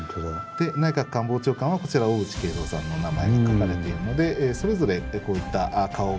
で内閣官房長官はこちら小渕恵三さんのお名前が書かれているのでそれぞれこういったへえ。